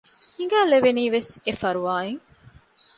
ހިނގައިލެވެނީ ވެސް އެފަރުވާ އިން